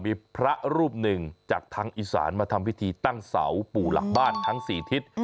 มีพระรูปหนึ่งจากทางอีสานมาทำพิธีตั้งเสาปู่หลักบ้านทั้ง๔ทิศ